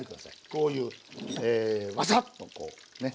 こういうワサッとこうね。